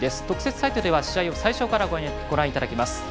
特設サイトでは試合を最初からご覧いただけます。